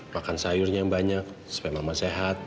makan sayurnya yang banyak supaya mama sehat